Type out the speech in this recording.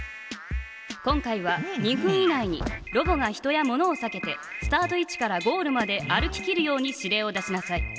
今回は２分以内にロボが人や物をさけてスタート位置からゴールまで歩ききるように指令を出しなさい。